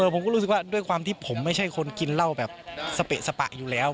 ผมก็รู้สึกว่าด้วยความที่ผมไม่ใช่คนกินเหล้าแบบสเปะสปะอยู่แล้ว